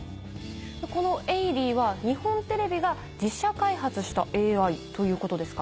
この「エイディ」は日本テレビが自社開発したＡＩということですか？